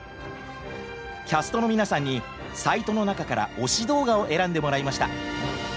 キャストの皆さんにサイトの中から推し動画を選んでもらいました。